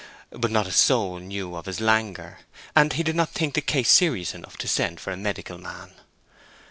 But not a soul knew of his languor, and he did not think the case serious enough to send for a medical man.